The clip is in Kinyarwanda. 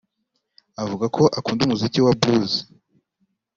avuga ko akunda umuziki wa Blues